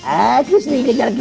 aku sendiri kejar kejar